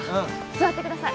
座ってください。